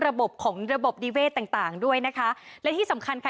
ระบบของระบบนิเวศต่างต่างด้วยนะคะและที่สำคัญค่ะ